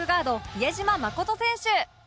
比江島慎選手